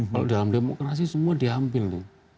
kalau dalam demokrasi semua diambil nih